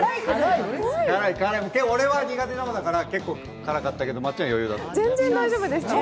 俺は苦手だから結構辛かったけどまっちゃん余裕だったんでしょ？